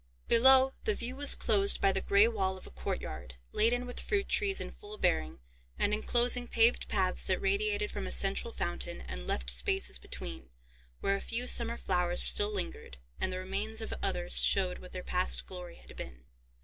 Below, the view was closed by the gray wall of a court yard, laden with fruit trees in full bearing, and inclosing paved paths that radiated from a central fountain, and left spaces between, where a few summer flowers still lingered, and the remains of others showed what their past glory had been.